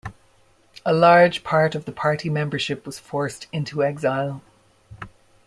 A large part of the party membership was forced into exile.